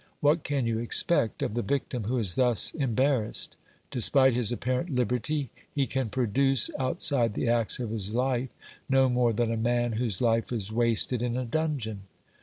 What can you expect of the victim who is thus embar rassed? Despite his apparent liberty, he can produce, outside the acts of his life, no more than a man whose life is wasted in a dungeon.